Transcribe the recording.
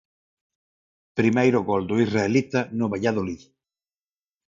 Primeiro gol do israelita no Valladolid.